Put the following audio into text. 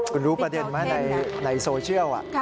คุณรู้ประเด็นไหมในโซเชียล